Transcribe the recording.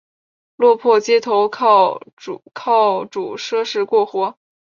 落魄街头靠著施舍过活